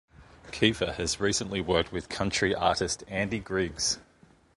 Keifer has recently worked with country artist Andy Griggs.